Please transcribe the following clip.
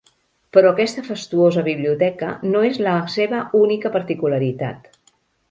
Però aquesta fastuosa biblioteca no és la seva única particularitat.